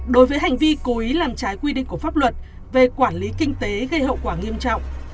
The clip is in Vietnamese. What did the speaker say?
đối với hành vi cố ý làm trái quy định của pháp luật về quản lý kinh tế gây hậu quả nghiêm trọng